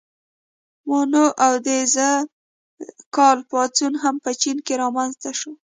مائو او د ز کال پاڅون هم په چین کې رامنځته شو.